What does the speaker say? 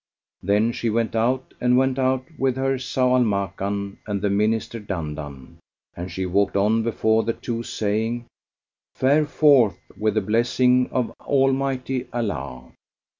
Then she went out and went out with her Zau al Makan and the Minister Dandan, and she walked on before the two saying, "Fare forth with the blessing of Almighty Allah!"